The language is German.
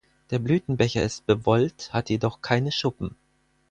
Der Blütenbecher ist bewollt, hat jedoch keine Schuppen.